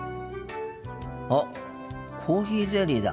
あっコーヒーゼリーだ。